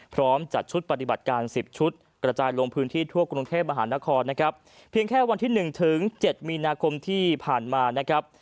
พร้อมจัดชุดปฏิบัติการ๑๐ชุดกระจายลงพื้นที่ทั่วกรุงเทพมหานครนะครับเพียงแค่วันที่หนึ่งถึงเจ็ดมีนาคมที่ผ่านมานะครับ